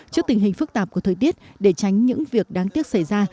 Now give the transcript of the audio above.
trước tình hình phức tạp của thời tiết để tránh những việc đáng tiếc xảy ra